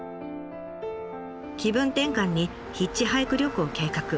気分転換にヒッチハイク旅行を計画。